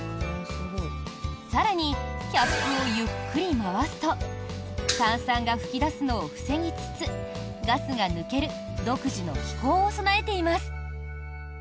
更に、キャップをゆっくり回すと炭酸が噴き出すのを防ぎつつガスが抜ける独自の機構を備えています。